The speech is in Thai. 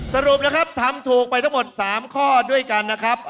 สรุปนะครับทำถูกไปทั้งหมด๓ข้อด้วยกันนะครับ